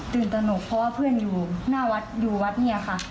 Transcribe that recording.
ตนกเพราะว่าเพื่อนอยู่หน้าวัดอยู่วัดเนี่ยค่ะ